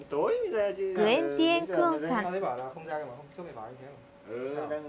グエン・ティエン・クオンさん。